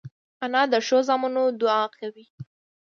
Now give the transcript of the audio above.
انا د ښو زامنو دعا کوي